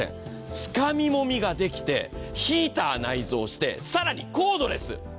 つかみもみができて、ヒーター内蔵して更にコードレス！